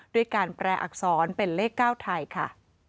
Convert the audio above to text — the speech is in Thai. ด้วยการแปรอักษรเป็นเลข๙ไทยค่ะ